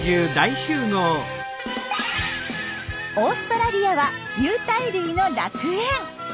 オーストラリアは有袋類の楽園。